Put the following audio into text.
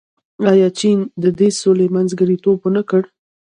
آیا چین د دې سولې منځګړیتوب ونه کړ؟